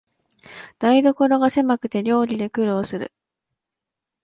台所がせまくて料理で苦労する